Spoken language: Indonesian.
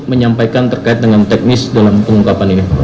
menyampaikan terkait dengan teknis dalam pengungkapan ini